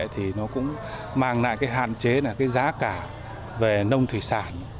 thì nó cũng mang lại hạn chế giá cả về nông thủy sản